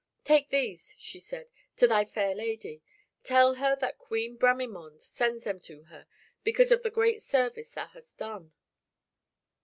"Take these," she said, "to thy fair lady. Tell her that Queen Bramimonde sends them to her because of the great service thou hast done."